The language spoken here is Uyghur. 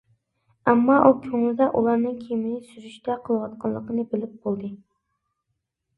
ئەمما ئۇ كۆڭلىدە ئۇلارنىڭ كىمنى سۈرۈشتە قىلىۋاتقىنىنى بىلىپ بولدى.